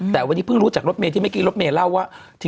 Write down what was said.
แต่วันนี้เพิ่งรู้จากรถเมย์ที่เมื่อกี้รถเมย์เล่าว่า